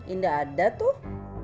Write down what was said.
enggak ada tuh